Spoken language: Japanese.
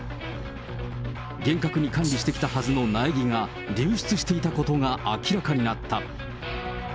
厳格に管理してきたはずの苗木が、流出していたことが明らかになった。